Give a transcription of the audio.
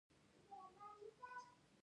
د الوبالو ګل سپین وي؟